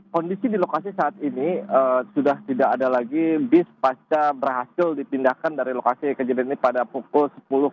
kondisi di lokasi saat ini sudah tidak ada lagi bis pasca berhasil dipindahkan dari lokasi kejadian ini pada pukul sepuluh tiga puluh